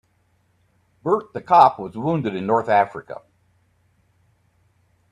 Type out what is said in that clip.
Bert the cop was wounded in North Africa.